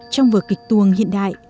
trong vở kịch tuồng hiện đại